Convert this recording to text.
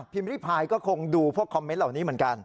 ริพายก็คงดูพวกคอมเมนต์เหล่านี้เหมือนกัน